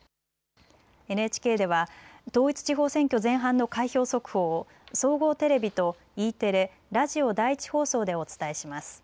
ＮＨＫでは統一地方選挙前半の開票速報を総合テレビとＥテレ、ラジオ第１放送でお伝えします。